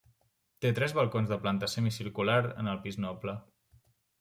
Té tres balcons de planta semicircular en el pis noble.